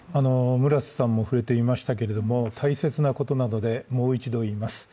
村瀬さんも触れていましたけれども、大切なことなどでもう一度言います。